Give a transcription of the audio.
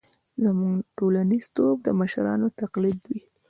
زموږ ټولنیزتوب د مشرانو تقلید وي.